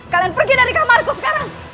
kalian pergi dari kamarku sekarang